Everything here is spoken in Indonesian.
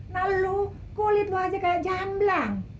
lalu kulit wajah kayak jamblang